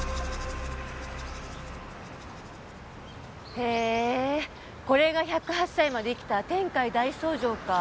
へぇーこれが１０８歳まで生きた天海大僧正かぁ。